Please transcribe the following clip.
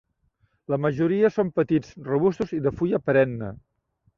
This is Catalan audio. La majoria són petits, robustos i de fulla perenne.